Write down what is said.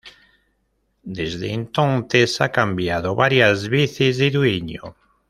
Desde entonces ha cambiado varias veces de dueño.